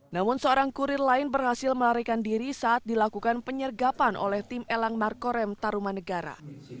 namun seorang kurir lain berhasil melarikan diri saat dilakukan penyergapan oleh tim elang markorem taruman negara